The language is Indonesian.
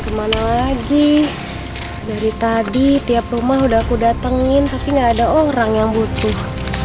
kemana lagi dari tadi tiap rumah udah aku datangin tapi gak ada orang yang butuh